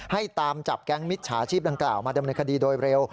ให้ตามจับแก๊งมิจฉาชีพดังกล่าวมาดำเนินคดีโดยเร็ว